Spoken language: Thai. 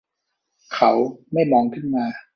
เขาไม่มองขึ้นมา